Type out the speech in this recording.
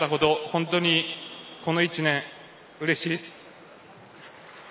本当にこの１年、うれしいっす。